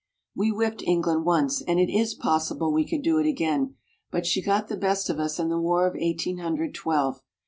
We whipped England once, and it is possible we could do it again, but she got the best of us in the War of Eighteen Hundred Twelve.